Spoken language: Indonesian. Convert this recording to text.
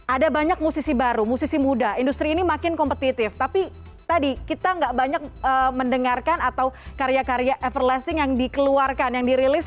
ada banyak musisi baru musisi muda industri ini makin kompetitif tapi tadi kita nggak banyak mendengarkan atau karya karya everlasting yang dikeluarkan yang dirilis